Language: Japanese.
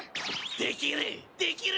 できる！